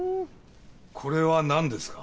これは何ですか？